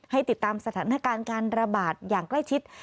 ติดตามสถานการณ์การระบาดอย่างใกล้ชิด